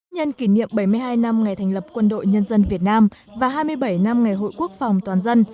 nhân kỷ niệm bảy mươi hai năm ngày thành lập quân đội nhân dân việt nam và hai mươi bảy năm ngày hội quốc phòng toàn dân